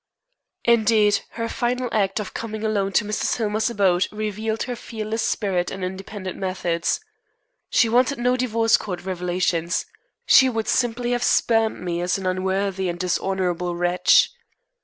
Indeed, her final act in coming alone to Mrs. Hillmer's abode, revealed her fearless spirit and independent methods. She wanted no divorce court revelations. She would simply have spurned me as an unworthy and dishonorable wretch.